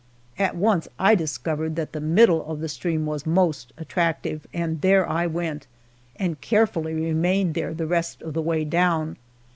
At once I discovered that the middle of the stream was most attractive, and there I went, and carefully remained there the rest of the way down.